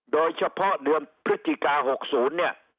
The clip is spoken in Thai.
โดยเฉพาะเดือนพฤศจิกา๖๐เนี่ย